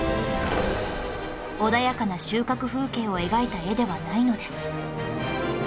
穏やかな収穫風景を描いた絵ではないのです